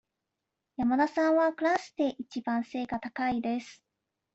山田さんはクラスでいちばん背が高いです。